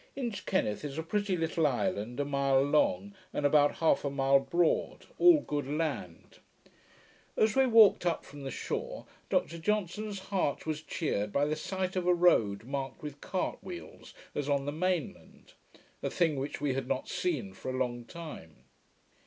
Inchkenneth is a pretty little island, a mile long, and about half a mile broad, all good land. As we walked up from the shore, Dr Johnson's heart was cheered by the sight of a road marked with cart wheels, as on the main land; a thing which we had not seen for a long time.